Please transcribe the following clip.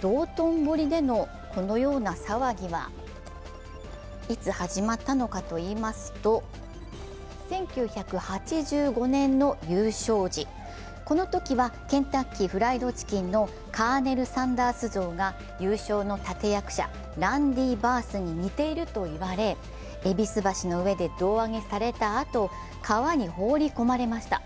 道頓堀でのこのような騒ぎはいつ始まったのかといいますと１９８５年の優勝時、このときはケンタッキーフライドチキンのカーネルサンダース像が優勝の立て役者ランディ・バースに似ていると言われ、戎橋の上で胴上げされたあと川に放り込まれました。